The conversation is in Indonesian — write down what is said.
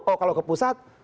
oh kalau ke pusat